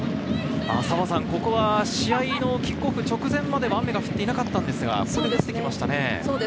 試合のキックオフ直前までは雨が降っていなかったのですが、降り出してきましたね。